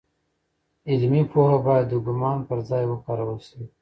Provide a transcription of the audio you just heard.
علمي پوهه باید د ګومان پر ځای وکارول سي.